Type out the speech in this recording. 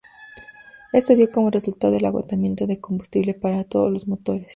Esto dio como resultado el agotamiento de combustible para todos los motores.